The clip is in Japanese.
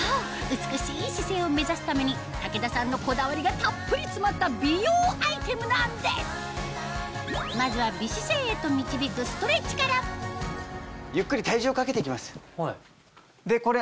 美しい姿勢を目指すために武田さんのこだわりがたっぷり詰まった美容アイテムなんですまずは美姿勢へと導くストレッチからゆっくり体重をかけて行きます。